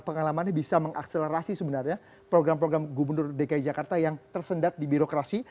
pengalamannya bisa mengakselerasi sebenarnya program program gubernur dki jakarta yang tersendat di birokrasi